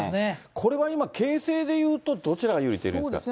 これは今、形勢で言うと、どちらが有利ですか？